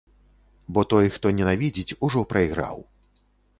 Бо той, хто ненавідзіць, ужо прайграў.